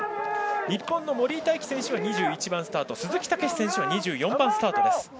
日本の森井大輝選手は２１番スタート鈴木猛史選手は２４番スタート。